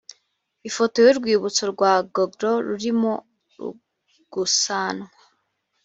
ifoto y urwibutso rwa ggolo rurimo gusanwa